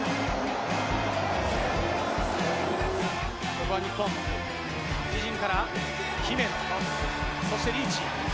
ここは日本、姫野、そしてリーチ。